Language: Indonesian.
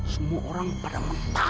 semua orang pada mentah